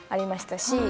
し